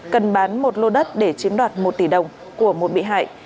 cần bán một lô đất để chiếm đoạt một tỷ đồng của một bị hại